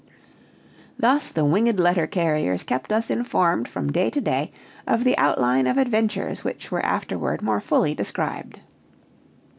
Thus the winged letter carriers kept us informed from day to day of the outline of adventures which were afterward more fully described.